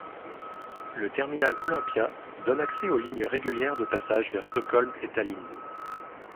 Le terminal Olympia donne accès aux lignes régulières de passages vers Stockholm et Tallinn.